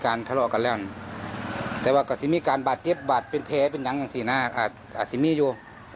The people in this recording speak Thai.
ทะเลาะกันแล้วแต่ว่าก็จะมีการบาดเจ็บบัตรเป็นแผลเป็นอย่างสีหน้าอาจจะมีอยู่